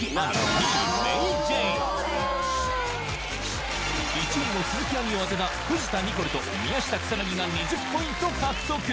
２位ＭａｙＪ．１位の鈴木亜美を当てた藤田ニコルと宮下草薙が２０ポイント獲得